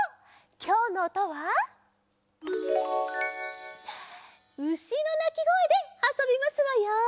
きょうのおとはうしのなきごえであそびますわよ。